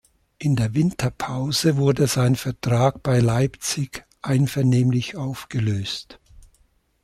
In der Winterpause wurde sein Vertrag bei Leipzig einvernehmlich aufgelöst.